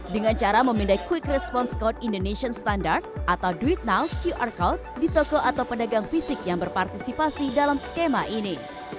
dengan cara memindai quick response code indonesian standard atau duit now qr code di toko atau pedagang fisik yang berpartisipasi dalam skema ini